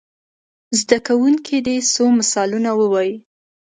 زده کوونکي دې څو مثالونه ووايي.